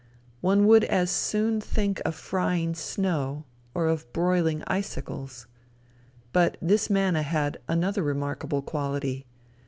One would as soon think of frying snow or of broiling icicles. But this manna had another remarkable quality.